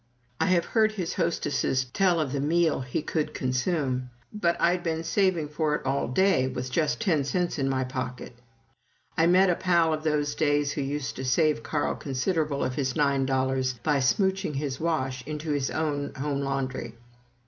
I have heard his hostesses tell of the meal he could consume. "But I'd been saving for it all day, with just ten cents in my pocket." I met a pal of those days who used to save Carl considerable of his nine dollars by "smooching" his wash into his own home laundry.